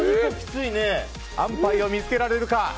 安パイを見つけられるか。